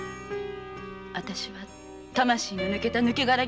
あたしは魂の抜けた抜け殻になりました。